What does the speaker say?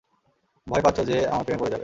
ভয় পাচ্ছ যে আমার প্রেমে পড়ে যাবে।